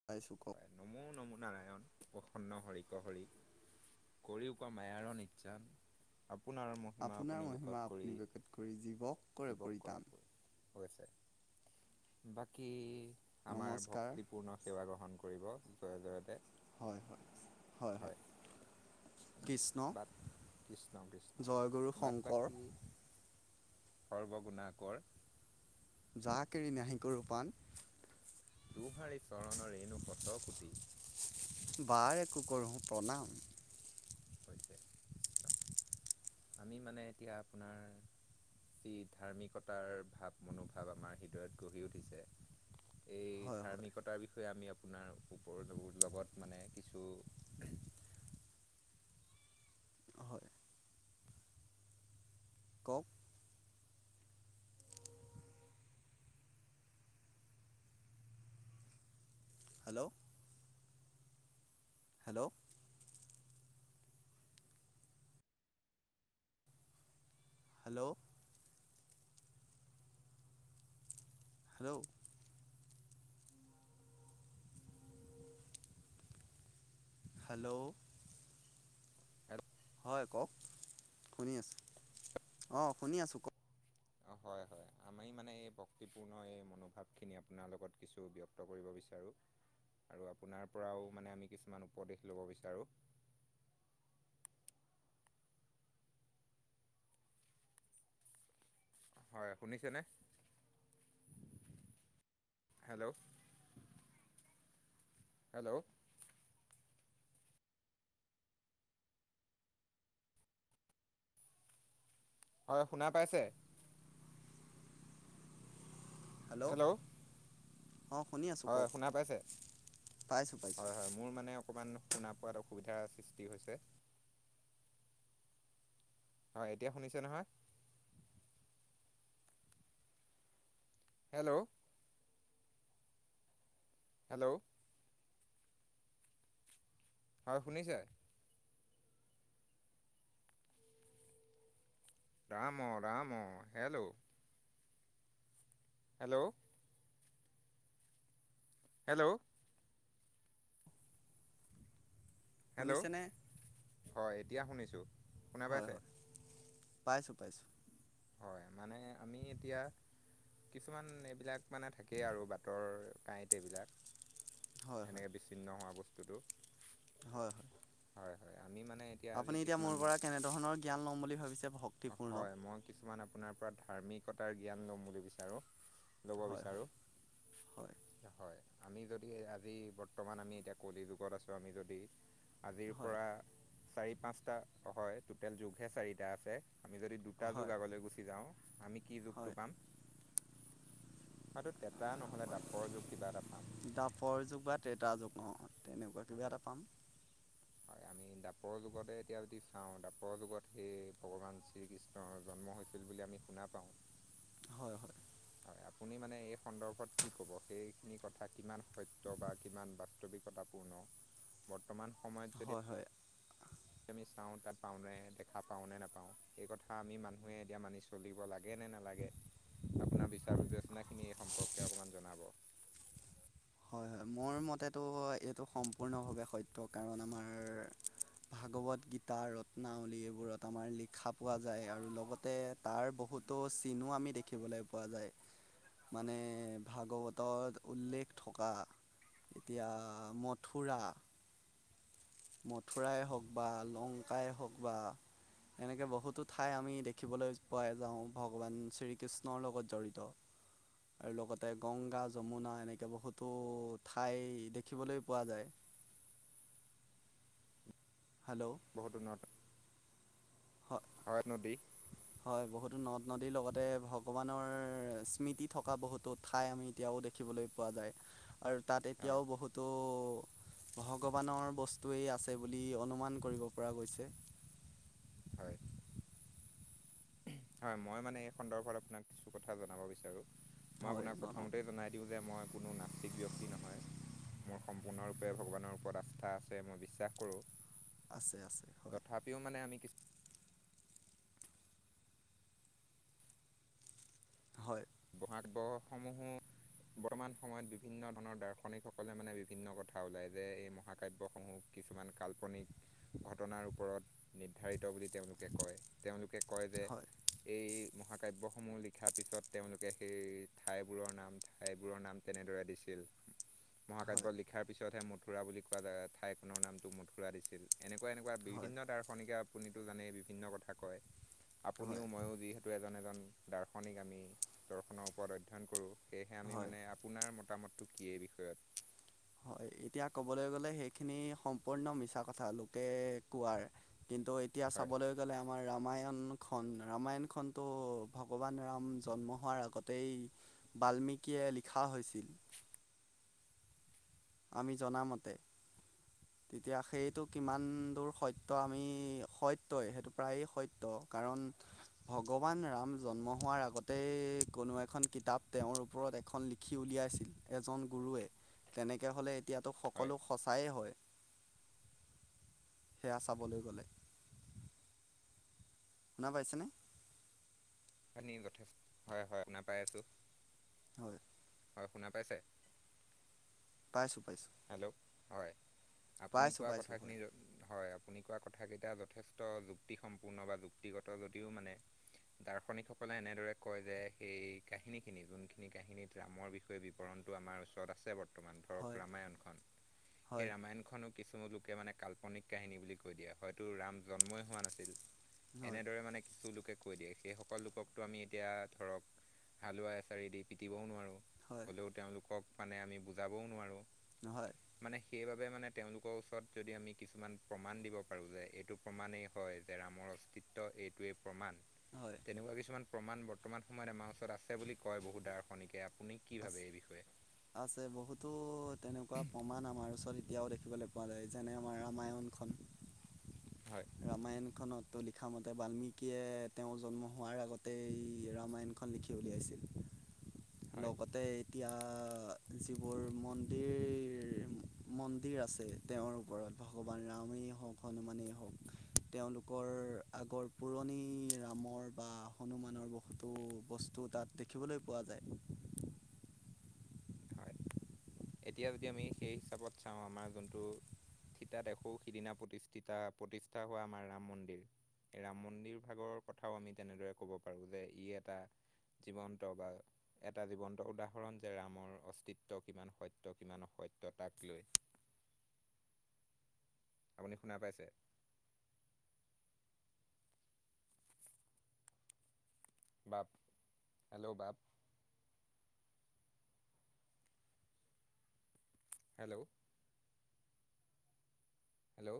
[unintelligible] হয়, নমো নমো নাৰায়ণ, প্ৰসন্ন হৰিক হৰি। কৰিও ক মায়াৰ নিজান, আপোনাৰ মহি হিমা আপোনাৰ আপুনি বেকট মহিমা কৰি, আপুনি ব্যকত কৰি জীৱক কৰে জীৱক কৰা পৰিতান। [unintelligible] হৈছে। বাকী আমাৰ নমস্কাৰ ভক্তিপূৰ্ণ সেৱা গ্ৰহণ কৰিব জয় জয়তে। হয় হয়, হয় হয়। কৃষ্ণ বাত, কৃষ্ণ কৃষ্ণ। জয়গুৰু বাট শংকৰ বাকী সৰ্বগুণাকৰ। যা কেৰি নাহিক ৰূপাণ। তোহাৰী চৰণ ৰেণু শতকুতি। পাৰেকো কৰহো প্ৰনাম। হৈছে কৃষ্ণ। আমি মানে এতিয়া আপোনাৰ, যি ধাৰ্মিকতাৰ ভাৱ মনোভাৱ আমাৰ হৃদয়ত গঢ়ি উঠিছে। এই হয় হয় ধাৰ্মিকতাৰ বিষয়ে আমি আপোনাৰ ওপৰ লগত মানে কিছু, হয় কওঁক? Hello, hello, hello, hello, hello [inaudible] হয় কওক? শুনি আছোঁ। অঁ শুনি আছোঁ কওক? [inaudible] হয় হয়। আমি মানে এই ভক্তিপূৰ্ণ এই মনোভাৱখিনি আপোনাৰ লগত কিছু ব্যক্ত কৰিব বিচাৰোঁ। আৰু আপোনাৰ পৰাও মানে আমি কিছুমান উপদেশ ল'ব বিচাৰোঁ। হয় শুনিছেনে? হেল্লৌ' হেল্লৌ' হয় শুনা পাইছে? হেল্লৌ' হেল্ল' অঁ শুনি আছোঁ। হয় কওক শুনা পাইছে? পাইছোঁ পাইছোঁ হয় হয়। মোৰ মানে অকমান শুনা পোৱাত অসুবিধাৰ সৃষ্টি হৈছে। হয় এতিয়া শুনিছে নহয়? হেল্লৌ' হেল্লৌ' হয় শুনিছে? Ram, Ram, hello! Hello! Hello! Hello! শুনিছেনে হয়, এতিয়া শুনিছোঁ শুনা হয় পাইছে? হয় পাইছোঁ, পাইছোঁ। হয়, মানে আমি এতিয়া কিছুমান এইবিলাক মানে থাকেই আৰু বাটৰ কাঁইত এইবিলাক হয় এনে হয় বিচ্ছিন্ন হোৱা বস্তুটো। হয়, হয়। হয়, হয় আমি মানে আজি আপুনি এতিয়া কিছুমান মোৰ পৰা কেনেধৰণৰ জ্ঞান ল'ম বুলি ভাবিছে ভক্তিপূৰ্ণ। হয় মই কিছুমান আপোনাৰ পৰা ধাৰ্মিকতাৰ জ্ঞান ল'ম বুলি বিচাৰোঁ। ল'ব হয় হয় বিচাৰোঁ হয় হয়। আমি যদি আজি বৰ্তমান আমি এতিয়া কলি যুগত আছোঁ, আমি যদি আজিৰ হয় পৰা চাৰি, পাঁচটা হয়, টোটেল যোগহে চাৰিটা আছে আমি যদি দু যোগ হয় আগলৈ গুছি যাওঁ, আমি কি যুগটো হয় পাম? হয়তো ত্ৰেতা নহ'লে দ্বাপৰ যুগ কিবা এটা পাম। দ্বাপৰ যুগ বা ত্ৰেতা যুগ অ', তেনেকুৱা কিবা এটা পাম। [inaudible] দ্বাপৰ যুগতে এতিয়া যদি চাওঁ দ্বাপৰ যুগত সেই ভগৱান শ্ৰীকৃষ্ণৰ জন্ম হৈ ছিল বুলি আমি শুনা পাওঁ। হয়, হয়। আপুনি মানে এই সন্দৰ্ভত কি ক'ব সেইখিনি কথা কিমান সত্য বা কিমান বাস্ত বিকতাপূৰ্ণ বৰ্তমান সময় হয়, হয়। আমি চাওঁ তাত পাওঁনে দেখা পাওঁনে নেপাওঁ এইকথা আমি মানুহে এতিয়া মানিছ চলিব লাগেনে নেলাগে আপোনাৰ বিচাৰ বিবেচনাখিনি এই সম্পৰ্কে অকমান জনাব। হয় মোৰ মতেতো এইটো সম্পূৰ্ণভাৱে সত্য, কাৰণ আমাৰ ভাগৱত গীতা, ৰত্নাৱলী এইবোৰত আমাৰ লিখা পোৱা যায় আৰু লগতে তাৰ বহুতো চিনো আমি দেখিবলে পোৱা যায়। মানে ভাগৱতত উল্লেখ থকা এতিয়া মথুৰা মথুৰাই হওঁক বা লংকাই হওঁক বা এনেকে বহুতো ঠাই আমি দেখিবলৈ পোৱাই যাওঁ ভগৱান শ্ৰীকৃষ্ণৰ লগত জড়িত। আৰু লগতে গংগা, যমুনা এনেকে বহুতো ঠাই দেখিবলৈ পোৱা যায়। হেল্ল'! বহুতো নদ হয় [inaudible] নদী। হয়, বহুতো নদ নদীৰ লগতে ভগৱানৰ স্মৃতি থকা বহুতো ঠাই আমি এতিয়াও দেখ দেখিবলৈ পোৱা যায়, আৰু তাত হয় এতিয়াও বহুত ত' ভগৱানৰ বস্তুৱেই আছে বুলি অনুমান কৰিব পৰা গৈছে। হয়। হয়, মই মানে এই সন্দৰ্ভত আপোনাক কিছু কথা জনাব বিচাৰোঁ মই হয় আপোনাক জনক প্ৰথমতেই জনাই দিওঁ যে, মই কোনো নাস্তিক ব্যক্তি নহয়। মোৰ সম্পূৰ্ণৰূপে ভগৱানৰ ওপৰত আস্থা আছে মই বিশ্বাস কৰোঁ। আছে, আছে হয়। পিও মানে আমি কিছ হয়। আগহ সমূহো বৰ্তমান সময়ত বিভিন্ন ধৰণৰ দাৰ্শনিক সকলে মানে বিভিন্ন কথা ওলাই যে এই মহাকাব্যসমূহ কিছুমান কাল্পনিক ঘটনাৰ ওপৰত নিৰ্ধাৰিত বুলি তেওঁলোকে কয় তেওঁলোকে কয় যে হয় এই মহাকাব্যসমূহ লিখাৰ পিছত তেওঁলোকে সেই ঠাইবোৰৰ নাম ঠাইবোৰৰ নাম তেনেদৰে দিছিল। হয় মহাকাব্যত লিখাৰ পিছত হে মথুৰা বুলি কোৱা জাগা ঠাইখনৰ নামটো মথুৰা দিছিল। এনেকুৱা এনেকুৱা হয় বিভিন্ন দাৰ্শনিকে আপুনিতো জানেই বিভিন্ন কথা কয়। আপুনিও হয় ময়ও যিহেতু এজন-এজন দাৰ্শনিক আমি। দৰ্শনৰ ওপৰত অধ্যয়ন কৰো সেয়েহে আমি হয় মানে আপোনাৰ মতামতটো কি এই বিষয়ত? হয় এতিয়া ক'বলৈ গ'লে সেইখিনি সম্পূৰ্ণ মিছা কথা লোকে কোৱাৰ কিন্তু এতিয়া হয় চাবলৈ গ'লে আমাৰ ৰামায়ণখন ৰামায়ণখনতো ভগৱান ৰাম জন্ম হোৱাৰ আগতেই বাল্মিকীয়ে লিখা হৈছিল আমি জনামতে তেতিয়া সেইটো কিমান দূৰ সত্য আমি সত্যই সেইটো প্ৰায়ে সত্য কাৰণ ভগৱান ৰাম জন্ম হোৱাৰ আগতে কোনো এখন কিতাপ তেওঁৰ ওপৰত এখন লিখা লিখি উলিয়াইছিল এজন গুৰুৱে তেতিয়া হ'লে এতিয়াতো হয় সকলো সঁচায়ে হয় সেয়া চাবলৈ গ'লে শুনা পাইছেনে [unintelligible] হয় হয় শুনা পায় আছো হয় হয় শুনা পাইছে পাইছোঁ পাইছোঁ হেল্ল' হয় আপুনি পাইছোঁ কোৱা পাইছোঁ কথাখিনি হয় হয় আপুনি কোৱা কথা কেইটা যথেষ্ট যুক্তি সম্পূৰ্ণ বা যুক্তিগত যদিও মানে দাৰ্শনিক সকলে এনেদৰে কয় যে সেই কাহিনীখিনি যোনখিনি কাহিনীত ৰামৰ বিষয়ে ৰামায়ণটো আমাৰ ওচৰত আছে বৰ্তমান ধৰক হয় ৰামায়ণখন হয় ৰামায়ণ খনক কিছু লোকে মানে কাল্পনিক কাহিনী বুলি কৈ দিয়ে হয়তো ৰাম জন্মই হোৱা নাছিল হয় এনে দৰে মানে কিছু লোকে কৈ দিয়ে সেই সকল লোকক ত আমি এতিয়া ধক হালোৱা এছাৰি দি পিটিবও নোৱাৰো হয় হ'লেও তেওঁলোকক মানে আমি বুজাবও নোৱাৰো হয় মানে সেইবাবে মানে তেওঁলোকৰ ওচৰত যদি কিছুমান প্ৰমাণ দিব পাৰো যে এইটো প্ৰমাণেই কয় যে ৰামৰ অস্তিত্ব এইটোৱে প্ৰমাণ হয় তেনেকুৱা কিছুমান প্ৰমাণ বৰ্তমান সময়ত আমাৰ ওচৰত আছে বুলি কয় বহু দাৰ্শনিকে আপুনি কি আছ ভাবে এই বিষয়ে আছে বহুতো তেনেকুৱা প্ৰমাণ আমাৰ ওচৰত এতিয়াও দেখিবলৈ পোৱা যায় যেনে আমাৰ ৰামায়ণখন হয় ৰামায়ণখনত লিখা মতে বাল্মিকীয়ে তেওঁৰ জন্ম হোৱাৰ আগতে ৰামায়ণ খন লিখি উলিয়াইছিল হয় লগতে এতিয়া যিবোৰ মন্দিৰ মন্দিৰ আছে তেওঁৰ ওপৰত ভগৱান ৰামেই হওক হনুমানেই হওক তেওঁলোকৰ আগৰ পুৰণি ৰামৰ বা হনুমানৰ বহুতো বস্তু তাত দেখিবলৈ পোৱা যায় হয় এতিয়া যদি আমি সেই হিচাপত চাওঁ আমাৰ যোনটো থিতাত এশৌ সিদিনা প্ৰতিষ্ঠিতা প্ৰতিষ্ঠা হোৱা আমাৰ ৰাম মন্দিৰ। সেই ৰাম মন্দিৰ ভাগৰ কথাও আমি তেনেদৰে ক'ব পাৰি যে ই এটা জীৱন্ত বা এটা জীৱন্ত উদাহৰণ যে ৰামৰ অস্তিত্ব কিমান সত ত্য কিমান অসত্য তাক লৈ। আপুনি শুনা পাইছে? বাপ, হেল্ল' বাপ। হেল্ল'। হেল্ল'।